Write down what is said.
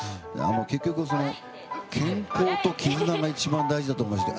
結局、健康と絆が一番大事だと思いまして。